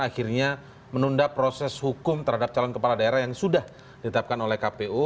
akhirnya menunda proses hukum terhadap calon kepala daerah yang sudah ditetapkan oleh kpu